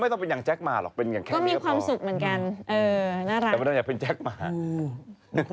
ไม่ต้องเป็นอย่างแจ๊กหมาหรอกมีความสุขเหมือนกัน